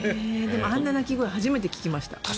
でもあんな鳴き声初めて聞きました。